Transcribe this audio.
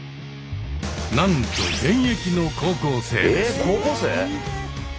なんと現役の高校生です。